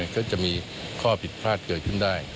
ก็จะมีข้อผิดพลาดเกิดขึ้นได้